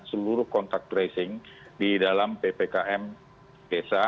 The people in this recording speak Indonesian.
seluruh kontak tracing di dalam ppkm desa